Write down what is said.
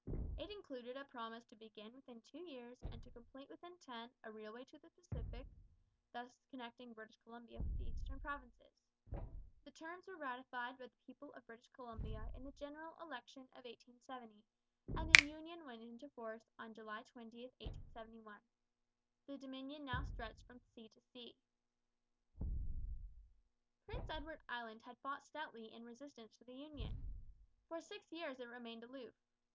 It included a promise to begin within two years and to complete within ten a railway to the Pacific, thus connecting British Columbia with the eastern provinces. The terms were ratified by the people of British Columbia in the general election of 1870, and the union went into force on July 20, 1871. The Dominion now stretched from sea to sea. Prince Edward Island had fought stoutly in resistance to the union. For six years it remained aloof.